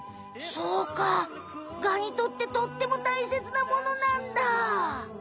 そうかガにとってとってもたいせつなものなんだ。